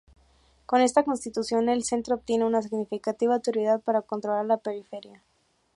Con esta constitución, el centro obtiene una significativa autoridad para controlar a la periferia.